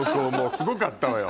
すごかったわよ